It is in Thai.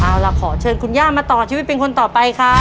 เอาล่ะขอเชิญคุณย่ามาต่อชีวิตเป็นคนต่อไปครับ